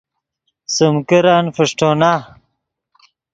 سیم کرن فݰٹونا